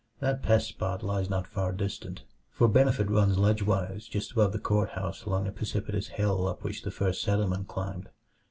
That pest spot lies not far distant for Benefit runs ledgewise just above the court house along the precipitous hill up which the first settlement climbed.